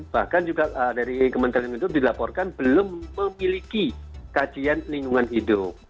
bahkan juga dari kementerian hidup dilaporkan belum memiliki kajian lingkungan hidup